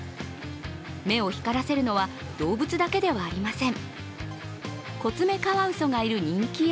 目を光らせるのは動物だけではありません。